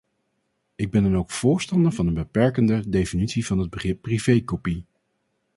Ik ben dan ook voorstander van een beperkende definitie van het begrip privé-kopie.